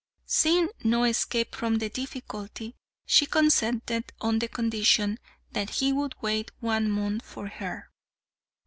Seeing no escape from the difficulty, she consented on the condition that he would wait one month for her.